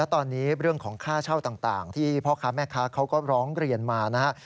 และตอนนี้เรื่องของค่าเช่าต่างที่พ่อแม่เขาก็ร้องเรียนมานะฮะ